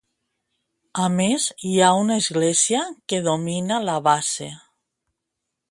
A més hi ha una església que domina la base.